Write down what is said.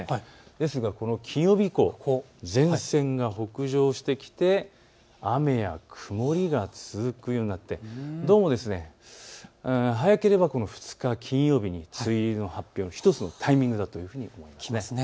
ですが金曜日以降、前線が北上してきて雨や曇りが続くようになって早ければ２日金曜日に梅雨入りの発表、１つのタイミングだというふうに見られます。